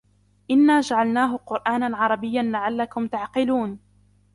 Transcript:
إنا جعلناه قرآنا عربيا لعلكم تعقلون